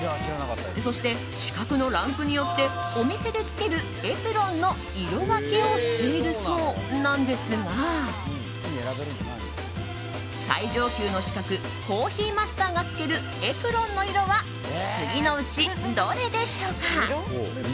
そして、資格のランクによってお店で着けるエプロンの色分けをしているそうなんですが最上級の資格コーヒーマスターが着けるエプロンの色は次のうちどれでしょうか？